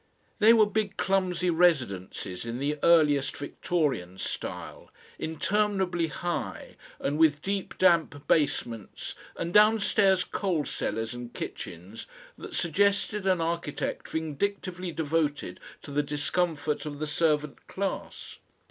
They were big clumsy residences in the earliest Victorian style, interminably high and with deep damp basements and downstairs coal cellars and kitchens that suggested an architect vindictively devoted to the discomfort of the servant class.